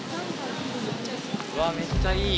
うわめっちゃいい。